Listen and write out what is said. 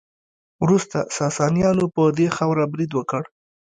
وروسته ساسانیانو په دې خاوره برید وکړ